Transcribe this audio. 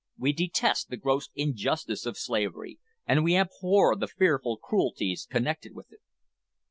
We detest the gross injustice of slavery, and we abhor the fearful cruelties connected with it."